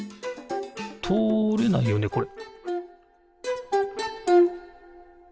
とおれないよねこれ？